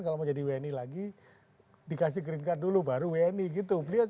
kalau mau jadi wni lagi dikasih green card dulu baru wni gitu